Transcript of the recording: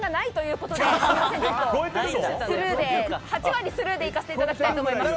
８割スルーでいかせていただきたいと思います。